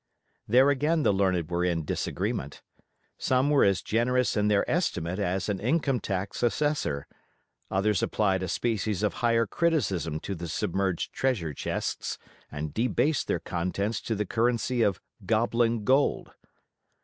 There again the learned were in disagreement. Some were as generous in their estimate as an income tax assessor, others applied a species of higher criticism to the submerged treasure chests, and debased their contents to the currency of goblin gold.